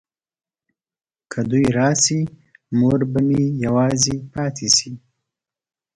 که دوی راشي مور به مې یوازې پاته شي.